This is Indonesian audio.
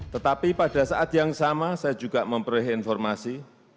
tetapi pada saat yang sama saya juga memperoleh informasi